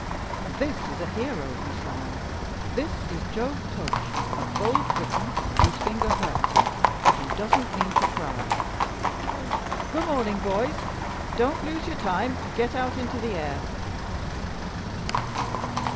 "This is a hero, Miss Lyon. This is Job Tudge, a bold Briton whose finger hurts him, but who doesn't mean to cry. Good morning, boys. Don't lose your time. Get out into the air."